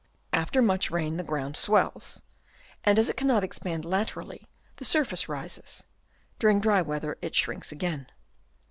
After much rain the ground swells, and as it cannot expand laterally, the surface rises ; during dry weather it sinks again.